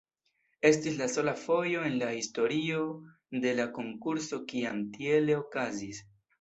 Estis la sola fojo en la historio de la konkurso kiam tiele okazis.